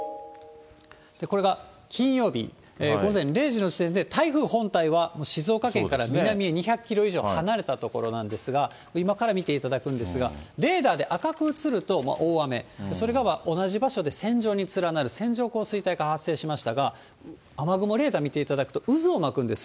これが金曜日午前０時の時点で、台風本体は静岡県から南へ２００キロ以上離れた所なんですが、今から見ていただくんですが、レーダーで赤く映ると大雨、それが同じ場所で線状に連なる線状降水帯が発生しましたが、雨雲レーダー見ていただくと、渦を巻くんです。